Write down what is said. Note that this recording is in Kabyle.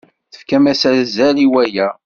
Tefkam azal i waya.